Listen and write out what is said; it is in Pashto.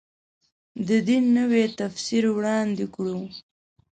د دین نوی تفسیر وړاندې کړو.